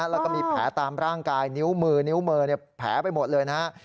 แล้วก็มีแผลตามร่างกายนิ้วมือนิ้วมือแผลไปหมดเลยนะฮะ